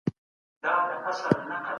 د مخ پر مځکه يې